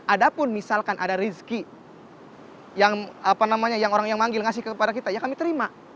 ada pun misalkan ada rizki yang orang yang manggil ngasih kepada kita ya kami terima